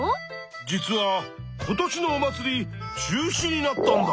実は今年のお祭り中止になったんだ。